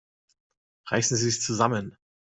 Reißen Sie sich zusammen!